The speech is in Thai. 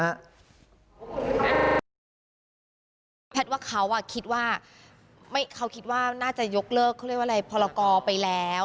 แพทย์ว่าเขาคิดว่าน่าจะยกเลิกพอลโลกอล์ไปแล้ว